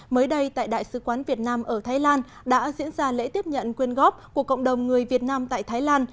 mới đây tại đại sứ quán việt nam ở thái lan đã diễn ra lễ tiếp nhận quyên góp của cộng đồng người việt nam tại thái lan